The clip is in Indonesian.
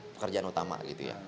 pekerjaan utama gitu ya